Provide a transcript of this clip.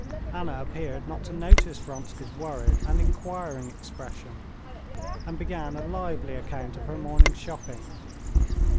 Anna appeared not to notice Vronsky's worried and inquiring expression, and began a lively account of her morning's shopping.